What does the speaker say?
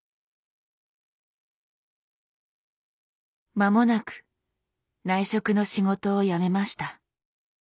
間もなく内職の仕事をやめました。